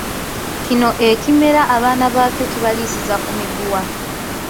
Kino ekimera abaana baakyo kibaliisiza ku miguwa.